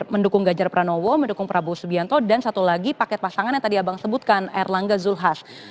mendukung ganjar pranowo mendukung prabowo subianto dan satu lagi paket pasangan yang tadi abang sebutkan erlangga zulhas